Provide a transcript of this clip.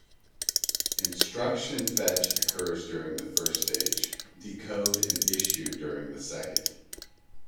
Instruction fetch occurs during the first stage, decode and issue during the second.